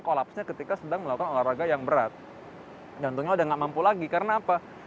kolapsnya ketika sedang melakukan olahraga yang berat jantungnya udah nggak mampu lagi karena apa